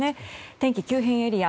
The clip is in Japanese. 天気急変エリア